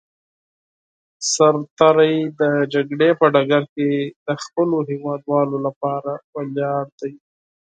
سرتېری د جګړې په ډګر کې د خپلو هېوادوالو لپاره ولاړ دی.